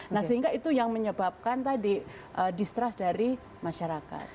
nah sehingga itu yang menyebabkan tadi distrust dari masyarakat